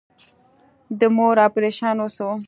د مور اپريشن وسو.